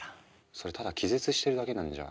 それただ気絶してるだけなんじゃ。